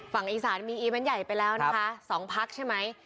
ฝั่งอีสานมีอีเวนต์ใหญ่ไปแล้วนะคะ๒พักใช่ไหม